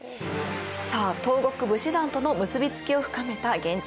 さあ東国武士団との結び付きを深めた源氏。